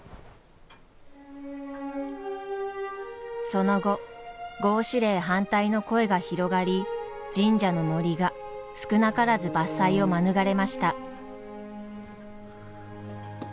その後合祀令反対の声が広がり神社の森が少なからず伐採を免れました。